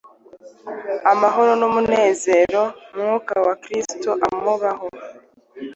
amahoro n’umunezero. Mwuka wa Kristo amubaho.